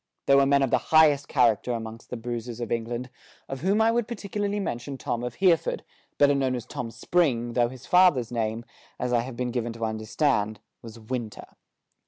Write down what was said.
There were men of the highest character amongst the bruisers of England, of whom I would particularly mention Tom of Hereford, better known as Tom Spring, though his father's name, as I have been given to understand, was Winter.